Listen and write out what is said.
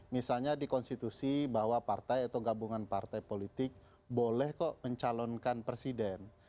misalnya di konstitusi bahwa partai atau gabungan partai politik boleh kok mencalonkan presiden